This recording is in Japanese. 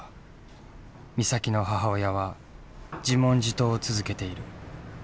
美咲の母親は自問自答を続けている。